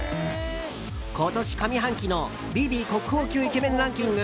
今年上半期のＶｉＶｉ国宝級イケメンランキング